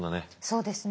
そうですね。